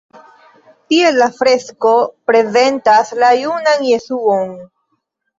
Tie la fresko prezentas la junan Jesuon.